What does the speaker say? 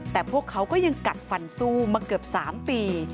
แต่พวกเขาก็ยังกัดฟันสู้มาเกือบ๓ปี